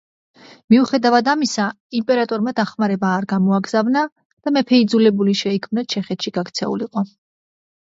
მიუხედავად ამისა იმპერატორმა დახმარება არ გამოაგზავნა და მეფე იძულებული შეიქმნა ჩეხეთში გაქცეულიყო.